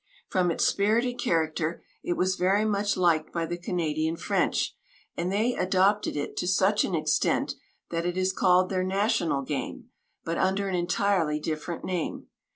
From its spirited character, it was very much liked by the Canadian French, and they adopted it to such an extent that it is called their national game, but under an entirely different name.